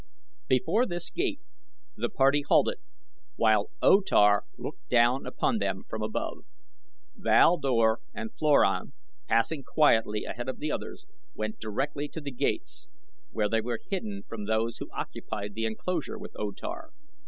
Before this gate the party halted while O Tar looked down upon them from above. Val Dor and Floran, passing quietly ahead of the others, went directly to the gates, where they were hidden from those who occupied the enclosure with O Tar.